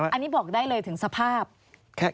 อันนี้บอกได้เลยถึงสภาพ